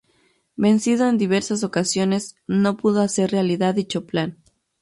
Vencido en diversas ocasiones, no pudo hacer realidad dicho plan.